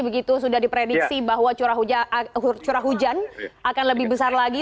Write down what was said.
begitu sudah diprediksi bahwa curah hujan akan lebih besar lagi